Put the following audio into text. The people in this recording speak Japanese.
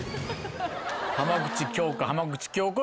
浜口京子